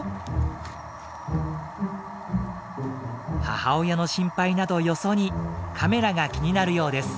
母親の心配などよそにカメラが気になるようです。